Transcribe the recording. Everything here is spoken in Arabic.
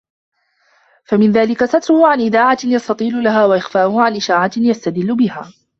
فَمِنْ ذَلِكَ سَتْرُهُ عَنْ إذَاعَةٍ يَسْتَطِيلُ لَهَا ، وَإِخْفَاؤُهُ عَنْ إشَاعَةٍ يَسْتَدِلُّ بِهَا